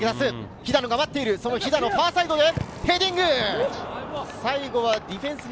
肥田野が待っている、ファーサイドへヘディング。